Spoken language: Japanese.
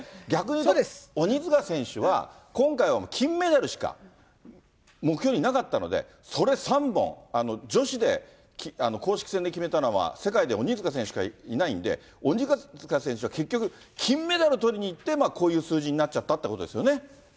逆に言うと、鬼塚選手は、今回は金メダルしか目標になかったので、それ３本、女子で公式戦で決めたのは、世界で鬼塚選手しかいないんで、鬼塚選手は結局、金メダルとりにいって、こういう数字になっちゃったということですよね。